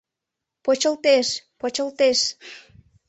Почылтеш, почылтеш!